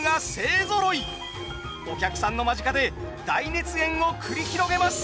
お客さんの間近で大熱演を繰り広げます。